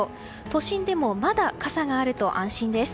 都心でもまだ傘があると安心です。